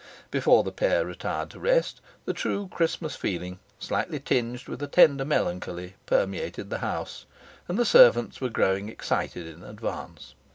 Before the pair retired to rest, the true Christmas feeling, slightly tinged with a tender melancholy, permeated the house, and the servants were growing excited in advance.